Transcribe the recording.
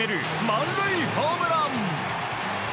満塁ホームラン。